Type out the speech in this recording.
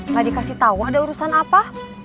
gak dikasih tahu ada urusan apa